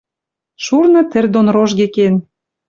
Шурны тӹр дон рожге кен.